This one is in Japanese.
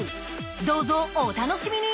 どうぞ、お楽しみに！